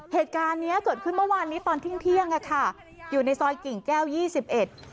เหตุการณ์เนี้ยเกิดขึ้นเมื่อวานนี้ตอนทิ้งเที่ยงอ่ะค่ะอยู่ในซอยกิ่งแก้วยี่สิบเอ็ด